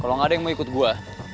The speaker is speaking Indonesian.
kalo gak ada yang mau ikut gue